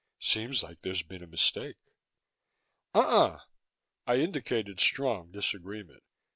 "Seems like there's been a mistake." "Uh uh!" I indicated strong disagreement.